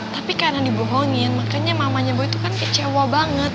tapi karena dibohongin makanya mamanya bu itu kan kecewa banget